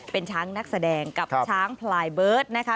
เป็นช้างนักแสดงกับช้างพลายเบิร์ตนะคะ